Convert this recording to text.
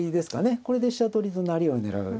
これで飛車取りと成りを狙う。